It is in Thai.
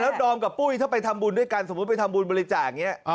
ดอมกับปุ้ยถ้าไปทำบุญด้วยกันสมมุติไปทำบุญบริจาคอย่างนี้